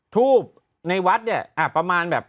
ทูบในวัดเนี่ยประมาณแบบ